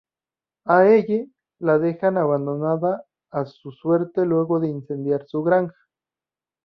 A elle la dejan abandonada a su suerte luego de incendiar su granja.